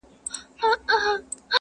پر مخ لاسونه په دوعا مات کړي,